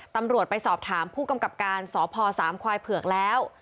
ตำรวจไปสอบถามผู้กำกับการสพสามควายเผือกแล้ว